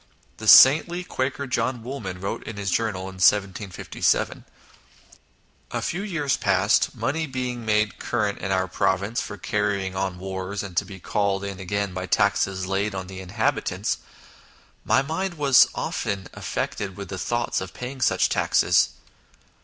The saintly Quaker John Woolman wrote in his journal in 1 7 5 7 " A few years past, money being made current in our province for carrying on wars, and to be called in again by taxes laid on the inhabitants, my mind was often affected with the thoughts of paying such taxes